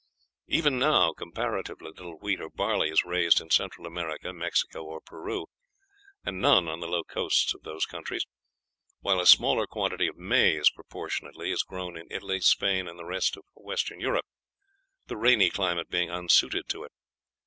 Even now comparatively little wheat or barley is raised in Central America, Mexico, or Peru, and none on the low coasts of those countries; while a smaller quantity of maize, proportionately, is grown in Italy, Spain, and the rest of Western Europe, the rainy climate being unsuited to it.